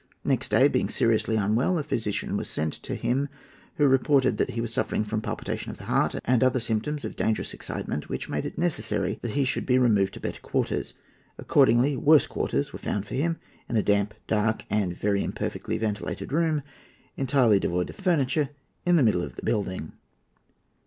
Next day, being seriously unwell, a physician was sent to him, who reported that he was suffering from palpitation of the heart and other symptoms of dangerous excitement, which made it necessary that he should be removed to better quarters. Accordingly, worse quarters were found for him, in a damp, dark, and very imperfectly ventilated room, entirely devoid of furniture, in the middle of the building.